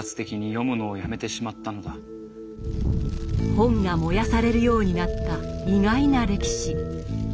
本が燃やされるようになった意外な歴史。